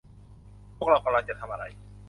พวกเรากำลังจะทำอะไร